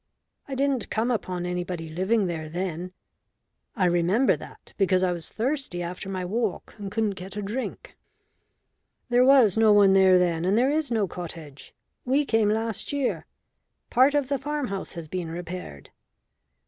I didn't come upon anybody living there then. I remember that, because I was thirsty after my walk and couldn't get a drink." "There was no one there then, and there is no cottage. We came last year. Part of the farm house has been repaired."